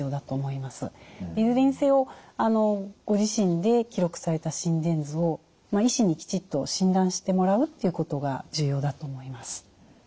いずれにせよご自身で記録された心電図を医師にきちっと診断してもらうということが重要だと思います。